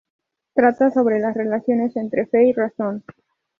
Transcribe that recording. Trata sobre las relaciones entre fe y razón.